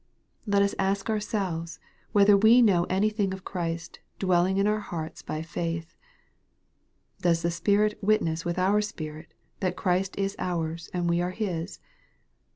Let us ask ourselves whether we know any thing of Christ " dwelling in our hearts by faith ?" Does the Spirit " witness with our spirit" that Christ is our's and we are His